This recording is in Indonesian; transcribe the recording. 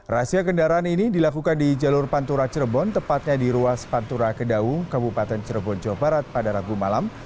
rahasia kendaraan ini dilakukan di jalur pantura cirebon tepatnya di ruas pantura kedaung kabupaten cirebon jawa barat pada rabu malam